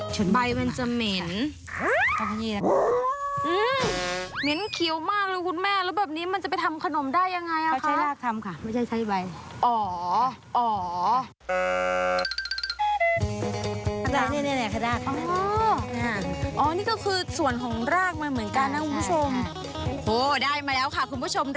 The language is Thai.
ฉุนใบมันจะเหม็น